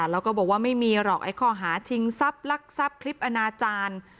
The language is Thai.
แล้วก็บอกว่าไม่มีหรอกไอ้ข้อหาชิงทรัพย์ลักทรัพย์คลิปอนาจารย์